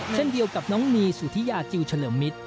เช่นเดียวกับน้องนีสุธิยาจิลเฉลิมมิตร